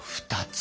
２つ？